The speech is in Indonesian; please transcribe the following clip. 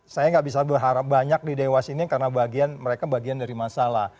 saya nggak bisa berharap banyak di dewas ini karena mereka bagian dari masalah